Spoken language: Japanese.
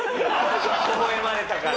ほほ笑まれたから。